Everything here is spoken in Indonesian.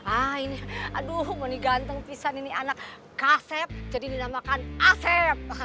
ah ini aduh mau diganteng pisah nih anak kaseh jadi dinamakan asep